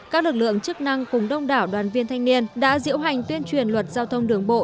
các lực lượng chức năng cùng đông đảo đoàn viên thanh niên đã diễu hành tuyên truyền luật giao thông đường bộ